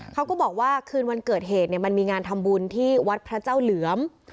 เขาก็บอกว่าคืนวันเกิดเหตุมันมีงานทำบุญที่วัดพระเจ้าเหลือม